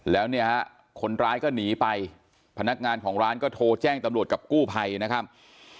แล้วเนี่ยฮะคนร้ายก็หนีไปพนักงานของร้านก็โทรแจ้งตำรวจกับกู้ภัยนะครับ